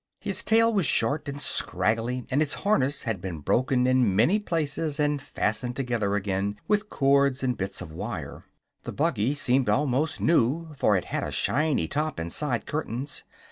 His tail was short and scraggly, and his harness had been broken in many places and fastened together again with cords and bits of wire. The buggy seemed almost new, for it had a shiny top and side curtains.